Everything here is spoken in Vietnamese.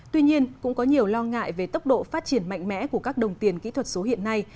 tuy nhiên cũng có nhiều lo ngại về tốc độ phát triển mạnh mẽ của các đồng tiền kỹ thuật số hiện nay